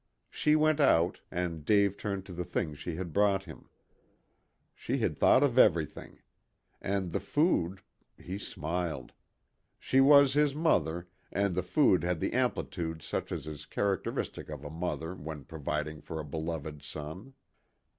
She went out, and Dave turned to the things she had brought him. She had thought of everything. And the food he smiled. She was his mother, and the food had the amplitude such as is characteristic of a mother when providing for a beloved son.